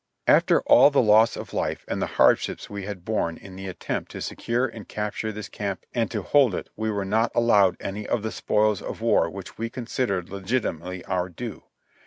After all the loss of life, and the hardships we had borne in the attempt to se THE BATTLE OE SEVEN PINES I39 cure and capture this camp and to hold it, we were not allowed any of the spoils of war which we considered legitimately our due.